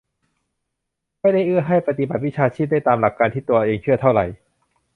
ไม่ได้เอื้อให้ปฏิบัติวิชาชีพได้ตามหลักการที่ตัวเองเชื่อเท่าไหร่